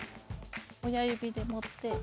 親指でもって。